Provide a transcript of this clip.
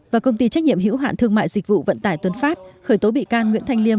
và công ty trách nhiệm hữu hạn thương mại dịch vụ vận tải tuấn phát khởi tố bị can nguyễn thanh liêm